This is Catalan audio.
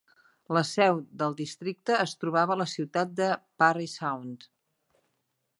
La seu de districte es trobava a la ciutat de Parry Sound.